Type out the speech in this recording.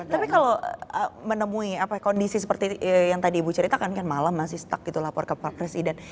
tapi kalau menemui kondisi seperti yang tadi ibu ceritakan kan malam masih stuck gitu lapor ke pak presiden